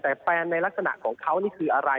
แต่แฟนในลักษณะของเขานี่คืออะไร